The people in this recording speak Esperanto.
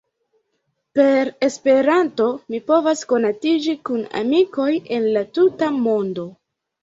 Per Esperanto mi povas konatiĝi kun amikoj el la tuta mondo.